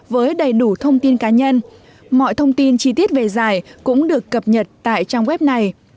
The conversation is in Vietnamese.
với đầy đủ thông tin cá nhân mọi thông tin chi tiết về giải cũng được cập nhật tại trang web này